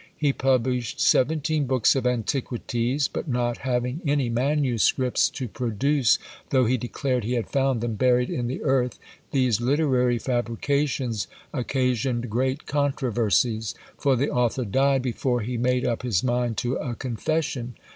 He published seventeen books of antiquities! But not having any MSS. to produce, though he declared he had found them buried in the earth, these literary fabrications occasioned great controversies; for the author died before he made up his mind to a confession.